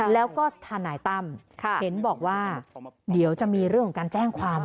แล้วก็ทนายตั้มเห็นบอกว่าเดี๋ยวจะมีเรื่องของการแจ้งความ